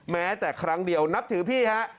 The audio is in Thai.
แม้แต่ครั้งเดียวนับถือพี่ฮะ